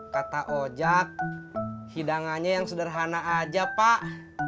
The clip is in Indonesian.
kata oja hidangannya yang sederhana aja pak